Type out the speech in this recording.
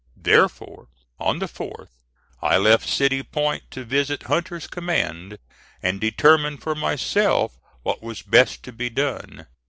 Therefore, on the 4th, I left City Point to visit Hunter's command, and determine for myself what was best to be done.